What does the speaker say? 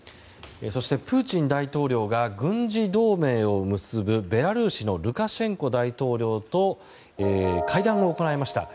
そしてプーチン大統領が軍事同盟を結ぶベラルーシのルカシェンコ大統領と会談を行いました。